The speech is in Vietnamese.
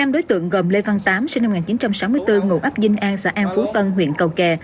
năm đối tượng gồm lê văn tám sinh năm một nghìn chín trăm sáu mươi bốn ngụ ấp dinh an xã an phú tân huyện cầu kè